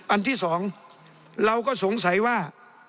อันที่๒เราก็สงสัยว่า